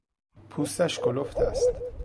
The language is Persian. پوستش کلفت است.